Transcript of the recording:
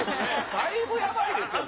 だいぶやばいですよね。